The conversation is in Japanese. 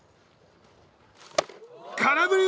空振り！